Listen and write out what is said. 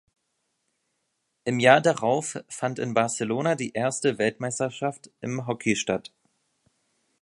Im Jahr darauf fand in Barcelona die erste Weltmeisterschaft im Hockey statt.